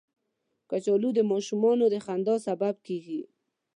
کچالو د ماشومانو د خندا سبب کېږي